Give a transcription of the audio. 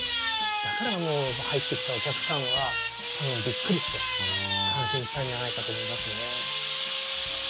だから入ってきたお客さんは多分びっくりして感心したんじゃないかと思いますね。